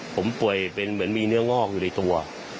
ผมป่วยเป็นเหมือนมีเนื้องอกอยู่ในตัว